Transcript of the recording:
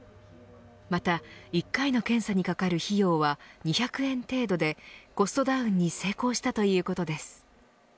また１回の検査にかかる費用は２００円程度でコストダウンに成功したということです。